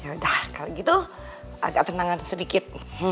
yaudah kalau gitu agak tenangan sedikit